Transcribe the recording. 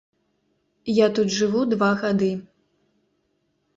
Я тут жыву два гады.